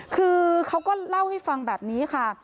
คือเขาก็เล่าให้ฟังแบบนี้ค่ะ